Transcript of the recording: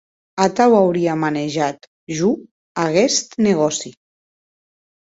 Atau auria manejat jo aguest negòci.